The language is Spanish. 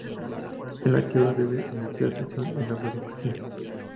En la que ahora debes de iniciar sesión en ambas ocasiones.